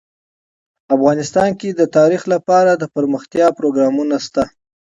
افغانستان کې د تاریخ لپاره دپرمختیا پروګرامونه شته.